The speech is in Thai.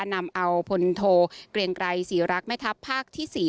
นำเอาพลโทเกรียงไกรศรีรักแม่ทัพภาคที่๔